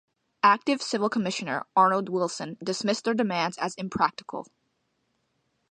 Acting Civil Commissioner, Arnold Wilson, dismissed their demands as impractical.